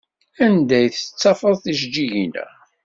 Anda ay tettafeḍ tijejjigin-a?